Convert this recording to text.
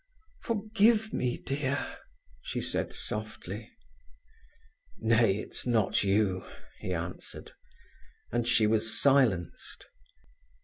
"Forgive me, dear," she said softly. "Nay, it's not you," he answered, and she was silenced.